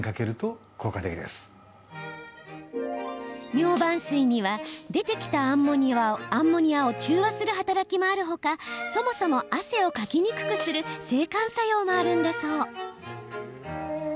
ミョウバン水には出てきたアンモニアを中和する働きもあるほかそもそも汗をかきにくくする制汗作用もあるんだそう。